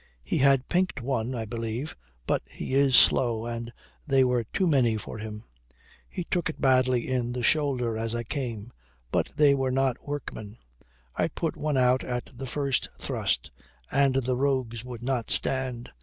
He had pinked one, I believe, but he is slow, and they were too many for him. He took it badly in the shoulder as I came. But they were not workmen. I put one out at the first thrust, and the rogues would not stand.